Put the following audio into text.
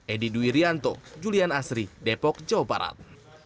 edi duwirianto julian asri depok jawa barat